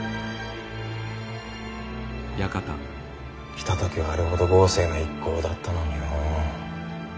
来た時はあれほど豪勢な一行だったのにのう。